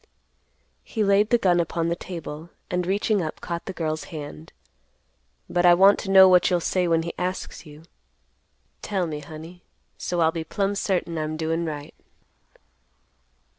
He laid the gun upon the table, and reaching up caught the girl's hand. "But I want to know what you'll say when he asks you. Tell me, honey, so I'll be plumb certain I'm doin' right."